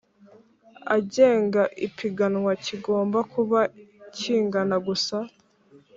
Agenga ipiganwa kigomba kuba kingana gusa